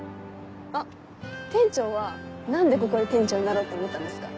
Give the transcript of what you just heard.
あっ店長は何でここの店長になろうと思ったんですか？